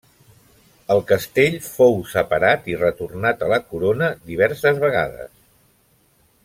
El castell fou separat i retornat a la corona diverses vegades.